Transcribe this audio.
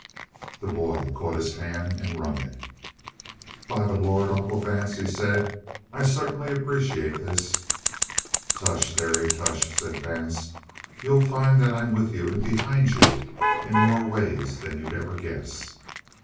The boy caught his hand and wrung it. "By the Lord, Uncle Vance," he said, "I certainly appreciate this!" "Tush, Terry, tush!" said Vance. "You'll find that I'm with you and behind you in more ways than you'd ever guess."